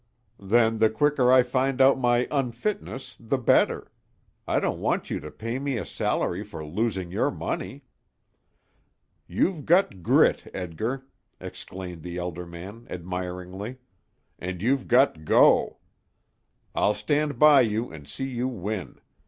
"Then the quicker I find out my unfitness the better. I don't want you to pay me a salary for losing your money." "You've good grit, Edgar," exclaimed the elder man, admiringly, "and you've got 'go'! I'll stand by you and see you win.